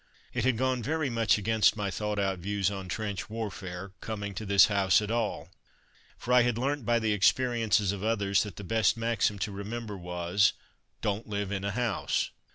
It had gone very much against my thought out views on trench warfare, coming to this house at all, for I had learnt by the experiences of others that the best maxim to remember was "Don't live in a house."